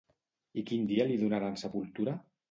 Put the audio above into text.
I quin dia li donaran sepultura?